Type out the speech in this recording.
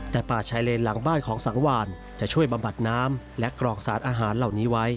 แต่ป่าชายเลนหลังบ้านของสังวานจะช่วยบำบัดน้ำและกรองสารอาหารเหล่านี้ไว้